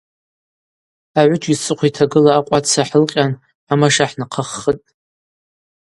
Агӏвыджьгьи сцӏыхъва йтагыла акъваца хӏылкъьан амаша хӏнахъаххытӏ.